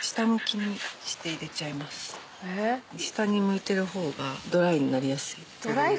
下に向いてる方がドライになりやすい。